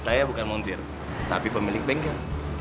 saya bukan montir tapi pemilik bengkel